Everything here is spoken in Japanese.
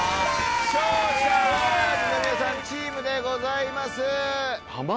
勝者二宮さんチームでございます。